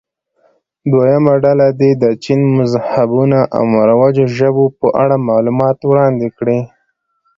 دویمه ډله دې د چین مذهبونو او مروجو ژبو په اړه معلومات وړاندې کړي.